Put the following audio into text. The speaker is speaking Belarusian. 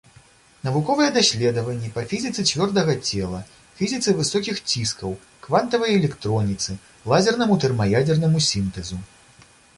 Навуковыя даследаванні па фізіцы цвёрдага цела, фізіцы высокіх ціскаў, квантавай электроніцы, лазернаму тэрмаядзернаму сінтэзу.